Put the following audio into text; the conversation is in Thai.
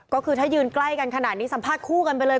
ก็คือถ้ายืนใกล้กันขนาดนี้สัมภาษคู่กันไปเลย